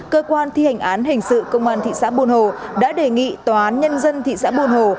cơ quan thi hành án hình sự công an thị xã buôn hồ đã đề nghị tòa án nhân dân thị xã buôn hồ